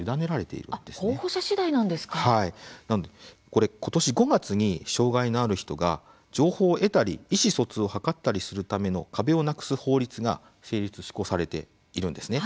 これ今年５月に障害のある人が情報を得たり意思疎通を図ったりするための壁をなくす法律が成立・施行されているんですね。